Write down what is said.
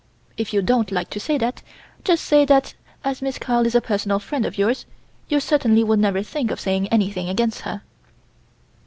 If you don't like to say that, just say that as Miss Carl is a personal friend of yours you certainly would never think of saying anything against her."